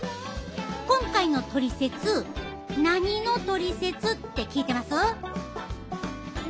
今回の「トリセツ」何のトリセツって聞いてます？